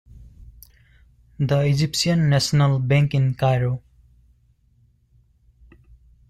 The Egyptian National Bank in Cairo.